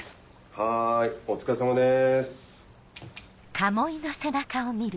はいお疲れさまです。